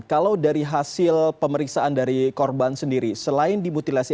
kalau dari hasil pemeriksaan dari korban sendiri selain dimutilasi